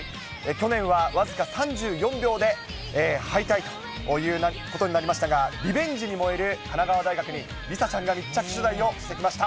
去年は僅か３４秒で敗退ということになりましたが、リベンジに燃える神奈川大学に、梨紗ちゃんが密着取材をしてきました。